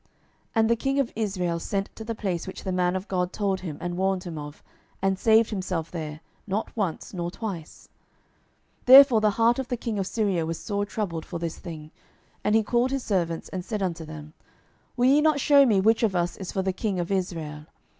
12:006:010 And the king of Israel sent to the place which the man of God told him and warned him of, and saved himself there, not once nor twice. 12:006:011 Therefore the heart of the king of Syria was sore troubled for this thing; and he called his servants, and said unto them, Will ye not shew me which of us is for the king of Israel?